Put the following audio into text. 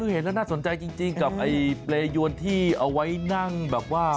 เห็นแล้วน่าสนใจจริงกับไอ้เปรยวนที่เอาไว้นั่งแบบว่า